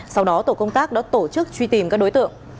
sau đó tổ công tác đã tổ chức truy tìm các đối tượng